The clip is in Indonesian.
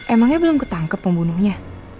emangnya belum ketangkep pembunuhnya